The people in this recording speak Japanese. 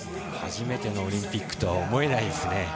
初めてのオリンピックとは思えないですね。